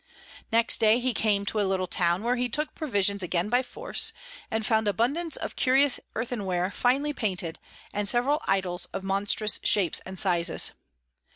Next day he came to a little Town, where he took Provisions again by force, and found abundance of curious earthen Ware finely painted, and several Idols of monstrous shapes and sizes.